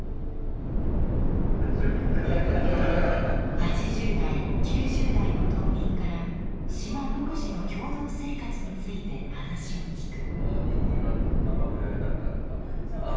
８０代９０代の島民から島独自の共同生活について話を聞く。